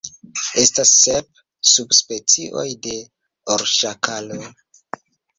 Estas sep subspecioj de orŝakalo.